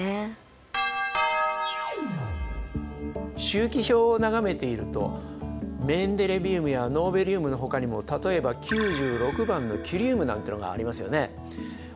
周期表を眺めているとメンデレビウムやノーベリウムのほかにも例えば９６番のキュリウムなんていうのがありますよね。